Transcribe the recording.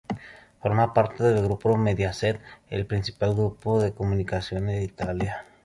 Forma parte del grupo Mediaset, el principal grupo de comunicación de Italia.